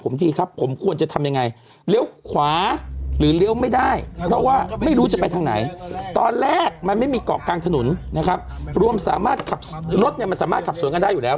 มีเกาะกลางถนนนะครับรวมสามารถขับรถเนี้ยมันสามารถขับส่วนกันได้อยู่แล้ว